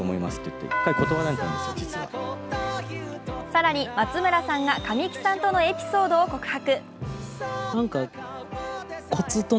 更に、松村さんが神木さんとのエピソードを告白。